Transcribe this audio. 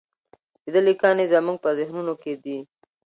د ده لیکنې زموږ په ذهنونو کې دي.